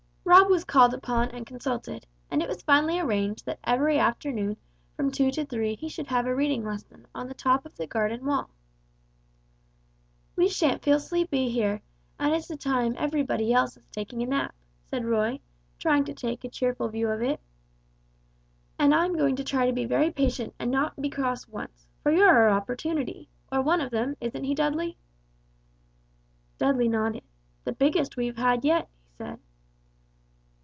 Rob was called upon and consulted, and it was finally arranged that every afternoon from two to three he should have a reading lesson on the top of the garden wall. "We shan't feel sleepy here, and it's the time everybody else is taking a nap," said Roy, trying to take a cheerful view of it. "I'm going to try and be very patient and not be cross once, for you're our opportunity, or one of them, isn't he, Dudley?" Dudley nodded. "The biggest we've had yet," he said.